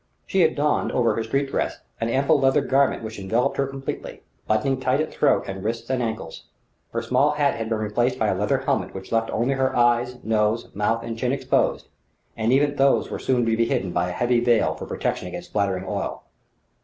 She had donned, over her street dress, an ample leather garment which enveloped her completely, buttoning tight at throat and wrists and ankles. Her small hat had been replaced by a leather helmet which left only her eyes, nose, mouth and chin exposed, and even these were soon to be hidden by a heavy veil for protection against spattering oil.